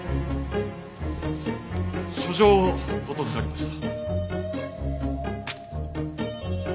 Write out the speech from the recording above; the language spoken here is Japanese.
書状を言づかりました。